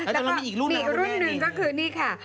แล้วก็อีกรุ่นหนึ่งก็คือนี่ค่ะ